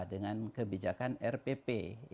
dengan kebijakan rpp